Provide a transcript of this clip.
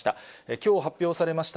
きょう発表されました